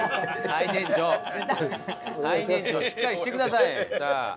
最年長しっかりしてください。